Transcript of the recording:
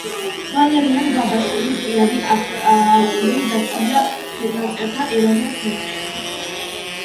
ვალერიან გაბაშვილის პირადი არქივი დაცულია ხელნაწერთა ეროვნულ ცენტრში.